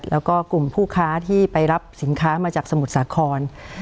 แล้วก็กลุ่มผู้ค้าที่ไปรับสินค้ามาจากสมุทรสาคร